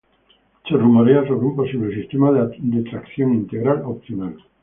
Se rumorea sobre un posible sistema de tracción integral opcional.